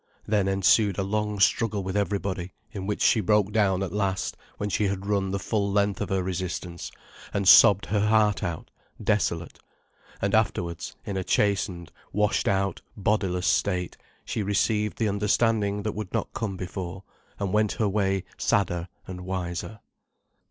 Then ensued a long struggle with everybody, in which she broke down at last, when she had run the full length of her resistance, and sobbed her heart out, desolate; and afterwards, in a chastened, washed out, bodiless state, she received the understanding that would not come before, and went her way sadder and wiser.